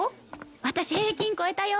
私平均超えたよ。